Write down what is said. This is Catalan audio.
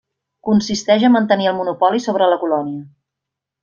Consisteix a mantenir el monopoli sobre la colònia.